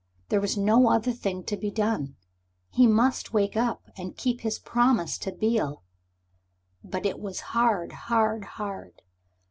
There was no other thing to be done. He must wake up and keep his promise to Beale. But it was hard hard hard.